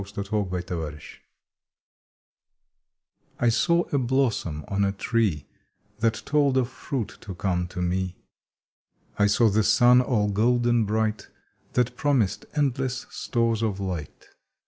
May Thirteenth PROMISES T SAW a blossom on a tree That told of fruit to come to me. I saw the sun all golden bright That promised endless stores of light.